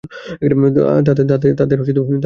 তাদের কোন ব্যক্তি তিনি?